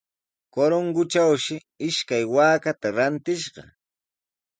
Corongotrawshi ishkay waakata rantishqa.